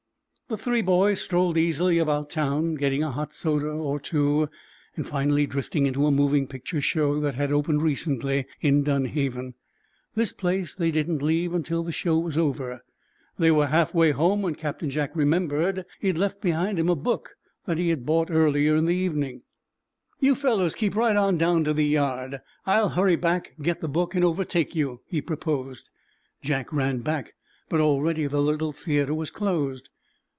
The three boys strolled easily about town, getting a hot soda or two, and, finally, drifting into a moving picture show that had opened recently in Dunhaven. This place they did not leave until the show was over. They were half way home when Captain Jack remembered that he had left behind him a book that he had bought earlier in the evening. "You fellows keep right on down to the yard. I'll hurry back, get the book and overtake you," he proposed. Jack ran back, but already the little theatre was closed.